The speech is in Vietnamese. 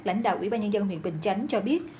lãnh đạo ủy ban nhân dân huyện bình chánh cho biết